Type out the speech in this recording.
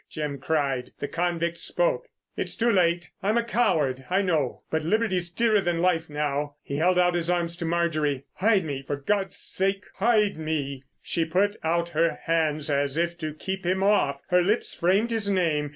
Jim cried. The convict spoke. "It's too late! I'm a coward, I know. But liberty's dearer than life now." He held out his arms to Marjorie. "Hide me, for God's sake, hide me!" She put out her hands as if to keep him off. Her lips framed his name.